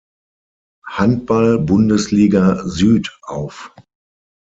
Handball-Bundesliga-Süd auf.